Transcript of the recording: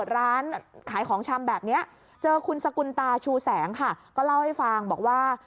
แล้วคุณสกุลตาชูแสงค่ะก็เล่าให้ฟังบอกว่า